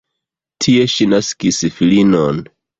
Tie ŝi naskis filinon.